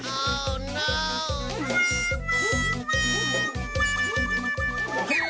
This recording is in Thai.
อ้าวโน้ว